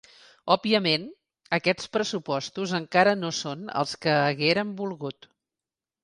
Òbviament, aquests pressupostos encara no són els que haguérem volgut.